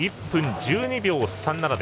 １分１２秒３７。